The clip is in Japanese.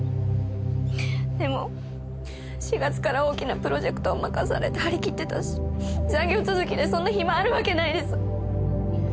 でも４月から大きなプロジェクトを任されてはりきってたし残業続きでそんな暇あるわけないです。